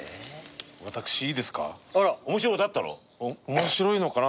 面白いのかな？